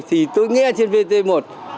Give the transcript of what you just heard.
thì tôi nghe trên vt một